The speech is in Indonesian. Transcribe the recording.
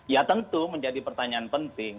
ya tentu menjadi pertanyaan penting